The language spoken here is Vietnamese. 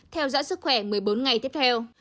theo dõi sức khỏe một mươi bốn ngày tiếp theo